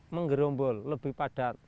menggerombol lebih padat